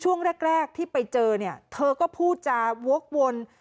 ช่วงแรกที่ไปเจอเนี่ยเธอก็พูดจาวกวน